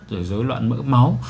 rồi dối loạn mỡ máu